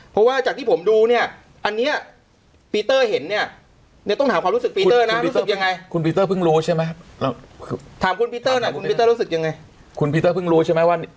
เพราะว่าจากที่ผมดูเนี้ยอันเนี้ยปีเตอร์เห็นเนี้ย